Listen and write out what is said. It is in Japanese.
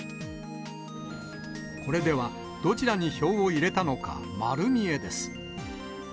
これではどちらに票を入れたのかまる見えです。